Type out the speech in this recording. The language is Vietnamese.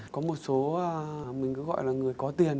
có một số mình cứ gọi là người có tiền